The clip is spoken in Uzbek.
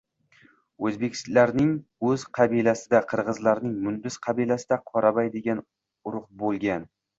O‘zbeklarning o‘z qabilasida, qirg‘izlarning munduz qabilasida qoraboy degan urug‘ bo‘lgan.